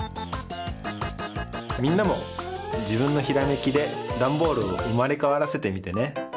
みんなもじぶんのひらめきでダンボールをうまれかわらせてみてね。